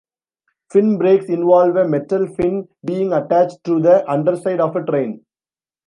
Fin brakes involve a metal fin being attached to the underside of a train.